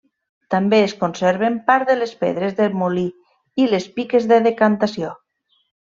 També es conserven part de les pedres de molí i les piques de decantació.